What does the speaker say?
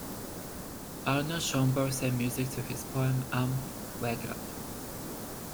Arnold Schoenberg set music to his poem Am Wegrand.